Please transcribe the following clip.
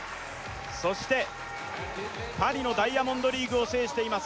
そしてパリのダイヤモンドリーグを制しています